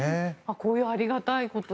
こういうありがたいこと。